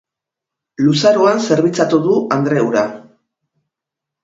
Luzaroan zerbitzatu du andre hura.